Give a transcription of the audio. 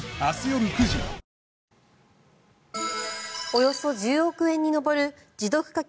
およそ１０億円に上る持続化